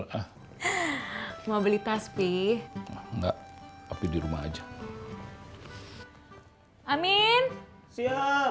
kamu kalau ditanya itu jawab yang bener